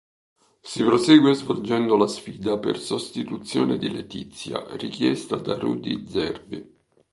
Si prosegue svolgendo la sfida per sostituzione di Letizia richiesta da Rudy Zerbi.